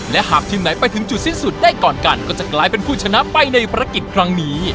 และหากทีมไหนไปถึงจุดสิ้นสุดได้ก่อนกันก็จะกลายเป็นผู้ชนะไปในภารกิจครั้งนี้